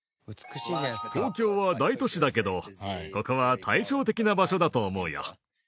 東京は大都市だけどここは対称的な場所だと思うよ。